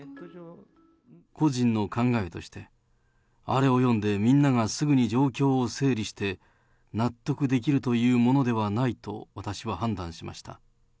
個人の考えとして、あれを読んで、みんながすぐに状況を整理して、納得できるというものではないと私は判断しました。